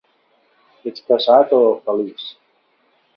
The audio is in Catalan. Ets casat o feliç?